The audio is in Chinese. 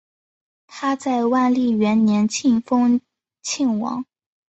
他在万历元年晋封庆王。